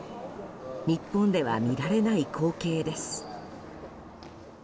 日本では見られない光景です。